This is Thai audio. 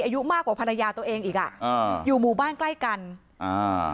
อายุมากกว่าภรรยาตัวเองอีกอ่ะอ่าอยู่หมู่บ้านใกล้กันอ่า